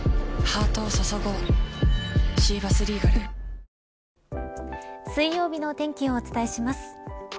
続く水曜日のお天気をお伝えします。